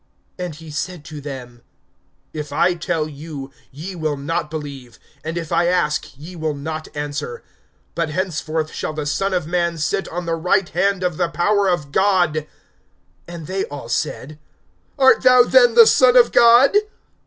And he said to them: If I tell you, ye will not believe. (68)And if I ask, ye will not answer. (69)But henceforth shall the Son of man sit on the right hand of the power of God. (70)And they all said: Art thou then the Son of God?